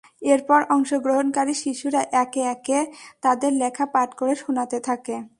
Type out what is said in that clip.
এরপর অংশগ্রহণকারী শিশুরা একে একে তাদের লেখা পাঠ করে শোনাতে থাকে।